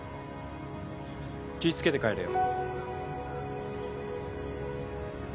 気付けて帰れよ。